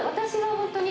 本当に。